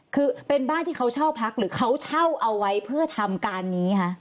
คือเป็นบ้านที่เขาเช่าพักหรือเขาเช่าเอาไว้เพื่อทำการนี้คะ